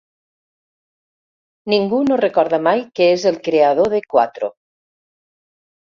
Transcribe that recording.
Ningú no recorda mai que és el creador de Quatro.